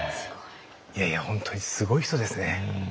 いやいや本当にすごい人ですね。